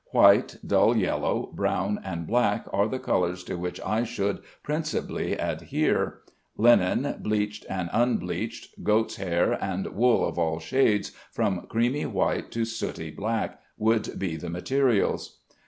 White, dull yellow, brown, and black are the colors to which I should principally adhere. Linen, bleached and unbleached, goats' hair, and wool of all shades, from creamy white to sooty black, would be the materials.